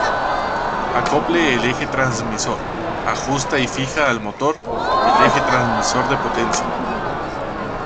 Acople del Eje Transmisor: ajusta y fija al motor, el eje transmisor de potencia.